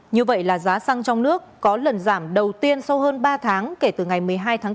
như vậy là giá xăng trong nước có lần giảm đầu tiên sau hơn ba tháng kể từ ngày một mươi hai tháng bốn